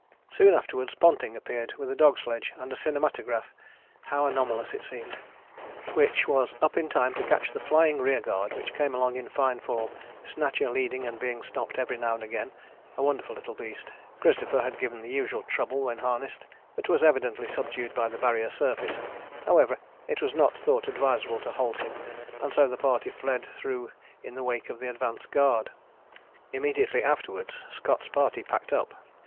Soon afterwards Ponting appeared with a dog sledge and a cinematograph, how anomalous it seemed which "was up in time to catch the flying rearguard which came along in fine form, Snatcher leading and being stopped every now and again a wonderful little beast. Christopher had given the usual trouble when harnessed, but was evidently subdued by the Barrier Surface. However, it was not thought advisable to halt him, and so the party fled through in the wake of the advance guard." Immediately afterwards Scott's party packed up.